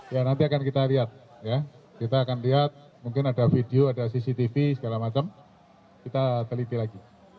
ya nanti akan kita lihat ya kita akan lihat mungkin ada video ada cctv segala macam kita teliti lagi